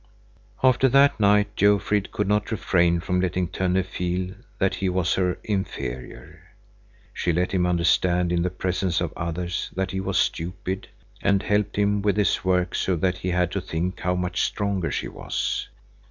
After that night Jofrid could not refrain from letting Tönne feel that he was her inferior. She let him understand in the presence of others that he was stupid, and helped him with his work so that he had to think how much stronger she was.